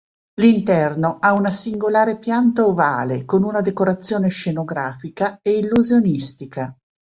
L'interno ha una singolare pianta ovale, con una decorazione scenografica e illusionistica.